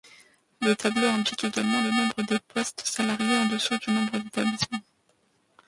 Le tableau indique également le nombre des postes salariés en dessous du nombre d’établissements.